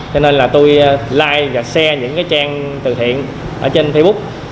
cho nên là tôi like và share những trang từ thiện ở trên facebook